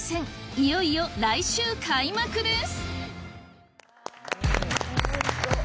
いよいよ来週開幕です！